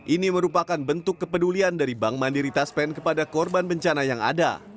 ini merupakan bentuk kepedulian dari bank mandiri taspen kepada korban bencana yang ada